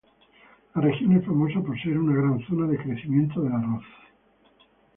La región es famosa por ser una gran zona de crecimiento del arroz.